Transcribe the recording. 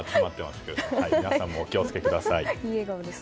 皆さんもお気を付けください。